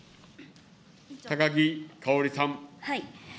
高木かおりさん。